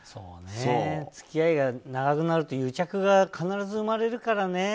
付き合いが長くなると癒着が必ず生まれるからね。